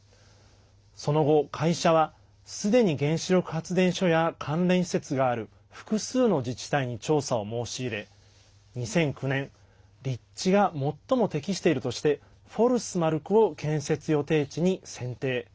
その後、会社はすでに原子力発電所や関連施設がある複数の自治体に調査を申し入れ２００９年立地が最も適しているとしてフォルスマルクを建設予定地に選定。